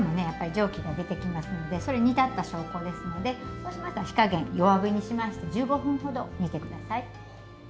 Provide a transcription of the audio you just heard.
やっぱり蒸気が出てきますのでそれ煮立った証拠ですのでそうしましたら火加減弱火にしまして１５分ほど煮てください。